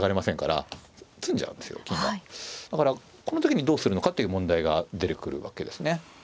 だからこの時にどうするのかという問題が出てくるわけですね。